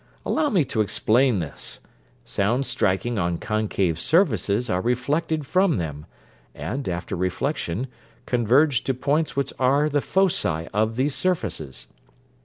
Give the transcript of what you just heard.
Allow me to explain this: sounds striking on concave surfaces are reflected from them, and, after reflection, converge to points which are the foci of these surfaces.